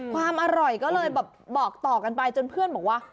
ความอร่อยก็เลยแบบบอกต่อกันไปจนเพื่อนบอกว่า